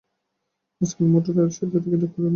আজকাল মোটরে বেড়াতে সে যতীকে ডাক পাড়ে না।